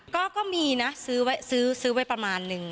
ก็มีนะซื้อไว้ประมาณนึง